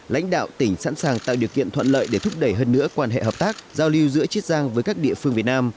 lãnh đạo tỉnh sẵn sàng tạo điều kiện thuận lợi để thúc đẩy hơn nữa quan hệ hợp tác giao lưu giữa chiết giang với các địa phương việt nam